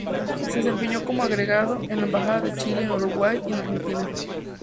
Se desempeñó como agregado en la Embajada de Chile en Uruguay y en Argentina.